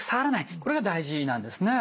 これが大事なんですね。